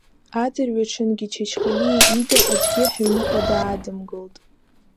Адырҩаҽынгьы Чачхалиа ида аӡәгьы ҳаҩныҟа даадымгылт.